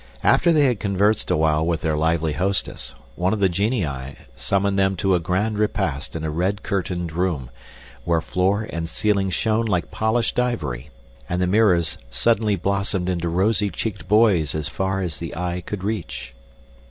After they had conversed awhile with their lively hostess, one of the genii summoned them to a grand repast in a red curtained room, where floor and ceiling shone like polished ivory, and the mirrors suddenly blossomed into rosy cheeked boys as far as the eye could reach.